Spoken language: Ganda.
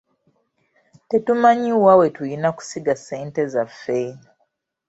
Tetumanyi wa we tulina kusiga ssente zaffe.